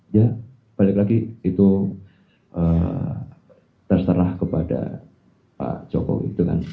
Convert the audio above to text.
ya balik lagi itu terserah kepada pak jokowi itu kan